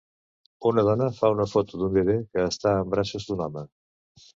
Una dona fa una foto d'un bebè que està en braços d'un home.